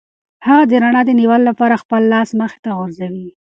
هغه د رڼا د نیولو لپاره خپل لاس مخې ته غځوي.